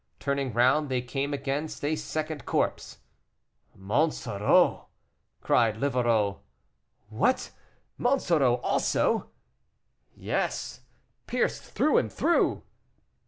Turning round they came against a second corpse. "Monsoreau!" cried Livarot. "What! Monsoreau also." "Yes, pierced through and through."